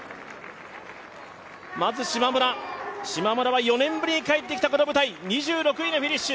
まずしまむら、４年ぶりに帰ってきたこの舞台、２６位のフィニッシュ